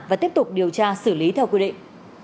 và tiếp tục điều tra xử lý theo quy định